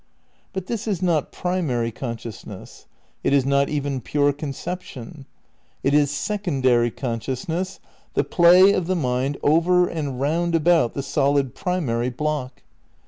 But this is not primary consciousness ; it is not even pure conception; it is secondary consciousness, the play of the mind over and round about the solid pri mary block.